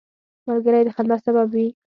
ملګری د خندا سبب وي